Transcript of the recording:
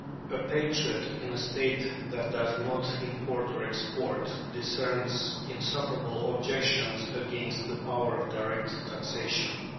A patriot in a state that does not import or export discerns insuperable objections against the power of direct taxation.